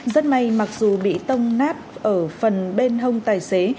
rất may mặc dù bị tông nát ở phần bên hông tài xế